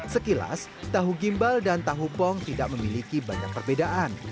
sekilas tahu gimbal dan tahu pong tidak memiliki banyak perbedaan